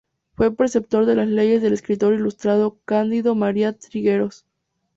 Fue preceptor de leyes del escritor ilustrado Cándido María Trigueros.